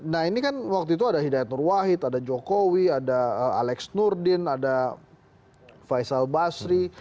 nah ini kan waktu itu ada hidayat nur wahid ada jokowi ada alex nurdin ada faisal basri